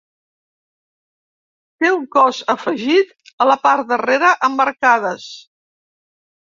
Té un cos afegit a la part darrera amb arcades.